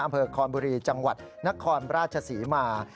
อำเภอคอนบุรีจังหวัดนครราชศรีมา